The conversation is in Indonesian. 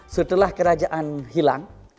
setelah kerajaan hilang